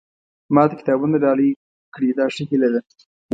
ما ته کتابونه ډالۍ کړي دا ښه هیله ده.